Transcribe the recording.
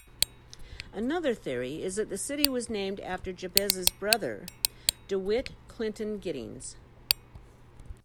Another theory is that the city was named after Jabez's brother Dewitt Clinton Giddings.